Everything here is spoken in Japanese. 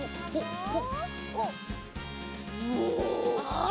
お！